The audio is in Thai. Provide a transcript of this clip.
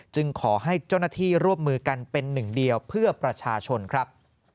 ขอให้เจ้าหน้าที่ร่วมมือกันเป็นหนึ่งเดียวเพื่อประชาชนครับ